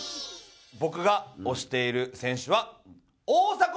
僕が推している選手は。